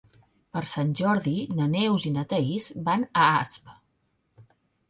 Per Sant Jordi na Neus i na Thaís van a Asp.